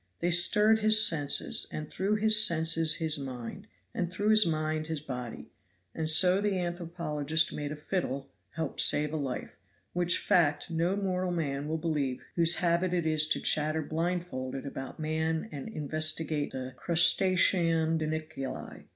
They stirred his senses, and through his senses his mind, and through his mind his body, and so the anthropologist made a fiddle help save a life, which fact no mortal man will believe whose habit it is to chatter blindfold about man and investigate the "crustaceonidunculae."